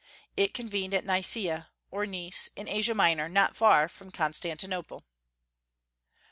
It convened at Nicaea, or Nice, in Asia Minor, not far from Constantinople.